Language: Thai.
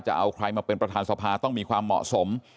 จะเอาใครมาเป็นประธานสภาต้องมีความเหมาะสม